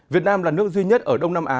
việt nam là nước duy nhất ở đông nam á